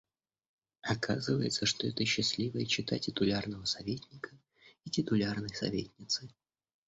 Оказывается, что это счастливая чета титулярного советника и титулярной советницы.